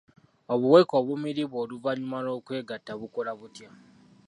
Obuweke obumiribwa oluvannyuma lw'okwegatta bukola butya?